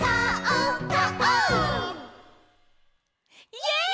イエーイ！